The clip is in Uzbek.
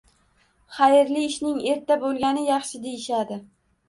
"Xayrli ishning erta bo`lgani yaxshi", deyishadi